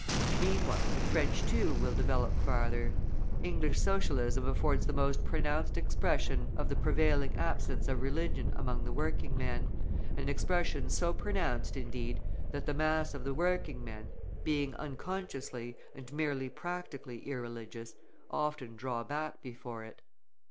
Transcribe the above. Meanwhile the French, too, will develop farther. English Socialism affords the most pronounced expression of the prevailing absence of religion among the working men, an expression so pronounced indeed that the mass of the working men, being unconsciously and merely practically irreligious, often draw back before it.